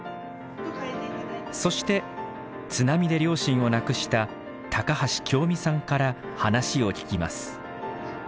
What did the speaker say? そして津波で両親を亡くした橋匡美さんから話を聞きます。